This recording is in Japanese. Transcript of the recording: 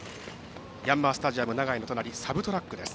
ヤンマースタジアム長居の隣サブトラックです。